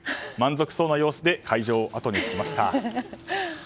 満足そうな様子で会場をあとにしました。